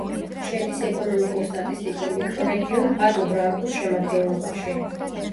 შედის ეკონომიკურ-სტატისტიკურ მიკრორეგიონ პატუ-ბრანკუს შემადგენლობაში.